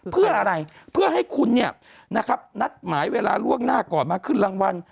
เพื่ออะไรเพื่อให้คุณเนี่ยนะครับนัดหมายเวลาล่วงหน้าก่อนมาขึ้นรางวัล